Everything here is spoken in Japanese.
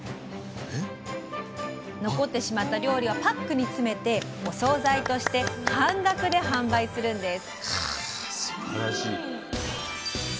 残ってしまった料理はパックに詰めてお総菜として半額で販売するんです。